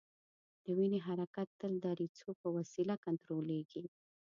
د وینې حرکت تل د دریڅو په وسیله کنترولیږي.